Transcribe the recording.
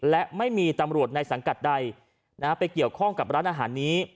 และไม่มีตำรวจในสังกัดใดไปเกี่ยวข้องกับร้านอาหารนี้